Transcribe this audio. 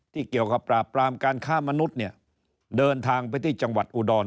เกี่ยวกับปราบปรามการฆ่ามนุษย์เนี่ยเดินทางไปที่จังหวัดอุดร